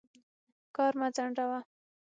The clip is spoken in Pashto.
کار مه ځنډوه.